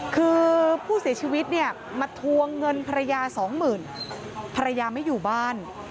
คือผู้เสียชีวิตเนี่ยมาทวงเงินภรรยาสองหมื่นภรรยาไม่อยู่บ้าน